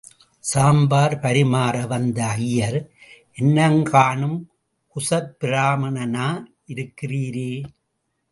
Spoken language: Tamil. சாம்பார் பரிமாற வந்த ஐயர்— என்னாங்காணும், குசப்பிராமணனா யிருக்கிறீரே.